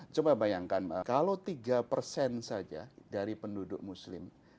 coba bayangkan kalau tiga persen saja dari penduduk muslim